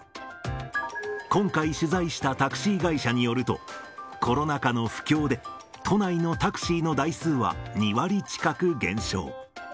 今回、取材したタクシー会社によると、コロナ禍の不況で、都内のタクシーの台数は２割近く減少。